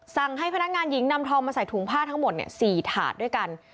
สั่งให้พนักงานหญิงนำทองมาใส่ถุงผ้าทั้งหมด๔ถาดด้วยกัน